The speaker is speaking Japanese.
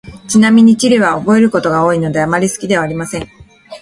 ちなみに、地理は覚えることが多いので、あまり好きではありません。